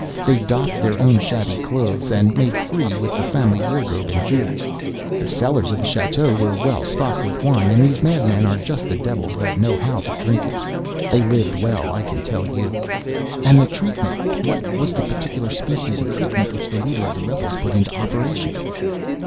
They doffed their own shabby clothes, and made free with the family wardrobe and jewels. The cellars of the château were well stocked with wine; and these madmen are just the devils that know how to drink it. They lived well, I can tell you." "And the treatment—what was the particular species of treatment which the leader of the rebels put into operation?"